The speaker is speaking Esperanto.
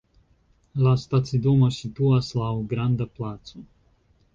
La stacidomo situas laŭ granda placo.